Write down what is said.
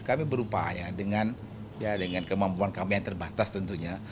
kami berupaya dengan kemampuan kami yang terbatas tentunya